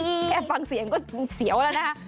แค่ฟังเสียงก็เสียวแล้วนะคะ